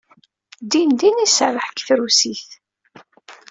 Dindin iserreḥ deg trusit.